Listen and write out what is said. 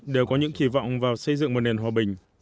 đều có những kỳ vọng vào xây dựng một nền hòa bình